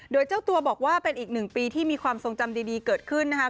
โดยเจ้าตัวบอกว่าเป็นอีกหนึ่งปีที่มีความทรงจำดีเกิดขึ้นนะคะ